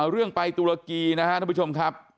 เรื่องไปตุรกีนะครับท่านผู้ชมครับ